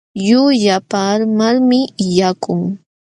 Llullapaamalmi illakun.